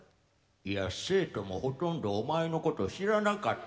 「いや生徒もほとんどお前のこと知らなかったぞ。